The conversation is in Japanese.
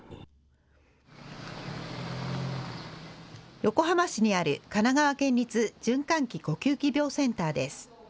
横浜市にある神奈川県立循環器呼吸器病センターです。